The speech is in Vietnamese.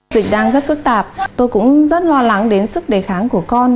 dịch đang rất phức tạp tôi cũng rất lo lắng đến sức đề kháng của con